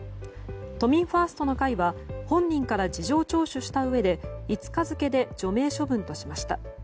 都民ファーストの会は本人から事情聴取したうえで５日付で除名処分としました。